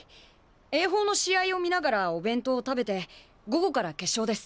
英邦の試合を見ながらお弁当を食べて午後から決勝です。